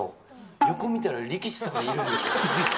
横見たら、力士さんいるんですよ。